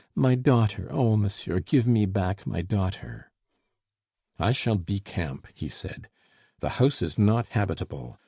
My daughter! oh, monsieur, give me back my daughter!" "I shall decamp," he said; "the house is not habitable.